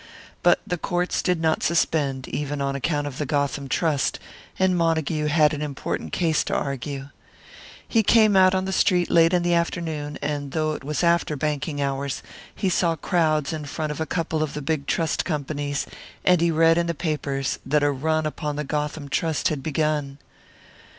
But the courts did not suspend, even on account of the Gotham Trust; and Montague had an important case to argue. He came out on the street late in the afternoon, and though it was after banking hours, he saw crowds in front of a couple of the big trust companies, and he read in the papers that a run upon the Gotham Trust had begun.